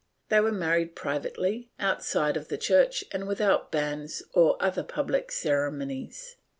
They were married privately, outside of the church and without banns or other public ceremonies.